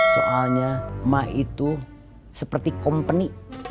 soalnya ma itu seperti company